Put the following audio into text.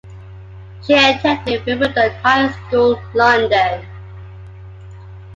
She attended Wimbledon High School, London.